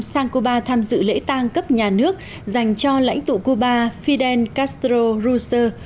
sang cuba tham dự lễ tang cấp nhà nước dành cho lãnh tụ quốc